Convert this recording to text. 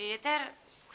kalau gitu sampai ketemu ya